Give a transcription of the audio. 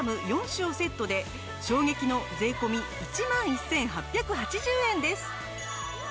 ４種をセットで衝撃の税込１万１８８０円です。